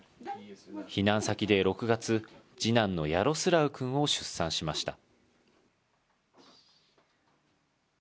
避難先で６月、次男のヤロスラウくんを出産しました。